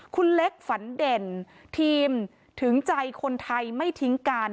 คุณเล็กฝันเด่นทีมถึงใจคนไทยไม่ทิ้งกัน